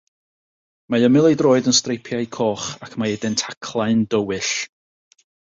Mae ymyl ei droed yn streipiau coch ac mae ei dentaclau'n dywyll.